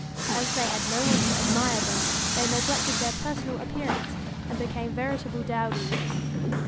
As they had no one to admire them, they neglected their personal appearance and became veritable dowdies.